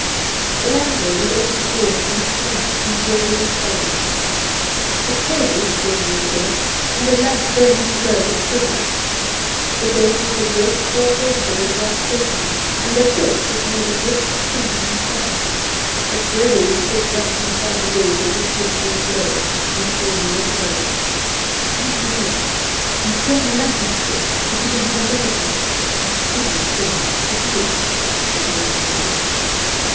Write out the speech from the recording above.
The landlady opened the door of the next room, and Gregory followed her. A table stood near the bed, and a lamp burning low stood on it; the bed was a great four poster with white curtains, and the quilt was of rich crimson satin. But Gregory stood just inside the door with his head bent low, and saw no further. "Come nearer! I'll turn the lamp up a bit, that you can have a look at her. A pretty thing, isn't it?" said the landlady.